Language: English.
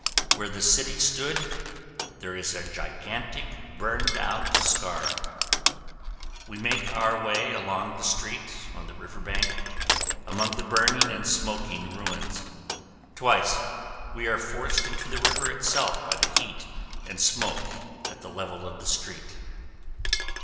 Where the city stood, there is a gigantic burned out scar. We make our way along the street on the river bank among the burning and smoking ruins. Twice we are forced into the river itself by the heat and smoke at the level of the street.